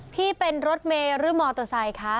พี่เป็นรถเมย์หรือมอเตอร์ไซค์คะ